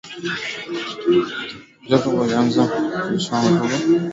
Jacob alianza kuishiwa nguvu kutokana na kutokwa na damu nyingi